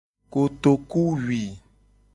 Kotokuwui.